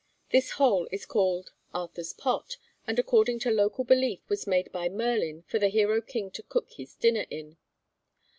This hole is called Arthur's Pot, and according to local belief was made by Merlin for the hero king to cook his dinner in.